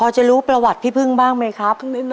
ใช่ค่ะ